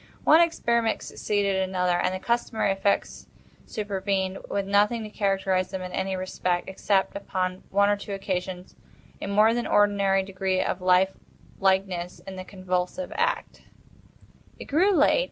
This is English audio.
One experiment succeeded another, and the customary effects supervened, with nothing to characterize them in any respect, except, upon one or two occasions, a more than ordinary degree of life likeness in the convulsive action. It grew late.